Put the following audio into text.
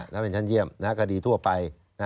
แล้วเป็นชั้นเยี่ยมคดีทั่วไป